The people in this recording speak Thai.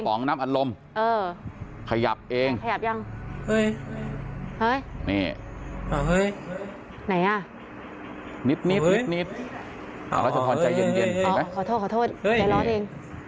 ปองน้ำอารมณ์เออขยับเองขยับหรยังอะไรกัน